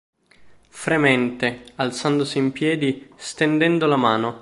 Fremente, alzandosi in piedi, stendendo la mano.